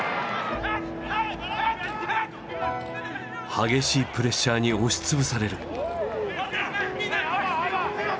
激しいプレッシャーに押し潰される。